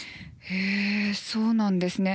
へえそうなんですね。